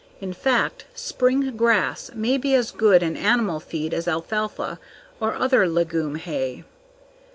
In fact, spring grass may be as good an animal feed as alfalfa or other legume hay.